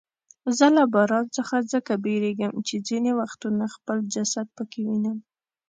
زه له باران څخه ځکه بیریږم چې ځیني وختونه خپل جسد پکې وینم.